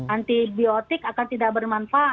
antibiotik akan tidak bermanfaat